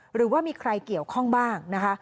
หรือว่ามีใครเกี่ยวข้องบ้างนะคะ